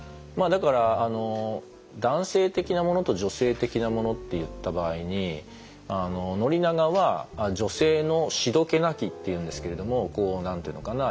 だから男性的なものと女性的なものっていった場合に宣長は女性の「しどけなき」っていうんですけれども何と言うのかな